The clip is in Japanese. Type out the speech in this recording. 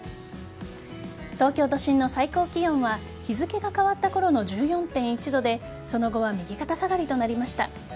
東京都心の最高気温は日付が変わったころの１４．１度でその後は右肩下がりとなりました。